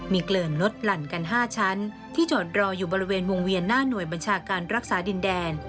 มีเกลินลดหลั่นกัน๕ชั้นที่จอดรออยู่บริเวณวงเวียนหน้าหน่วยบัญชาการรักษาดินแดน